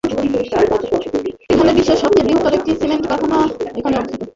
এখানে বিশ্বের সবচেয়ে বৃহৎ একটি সিমেন্ট কারখানা এখানে অবস্থিত।